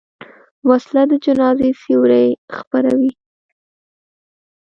وسله د جنازې سیوري خپروي